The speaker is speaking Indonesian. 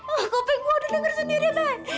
oh gopeng gua udah denger sendiri be